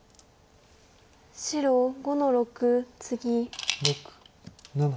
白５の六ツギ。